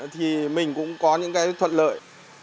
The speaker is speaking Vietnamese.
thì mình cũng có những cái thuận lợi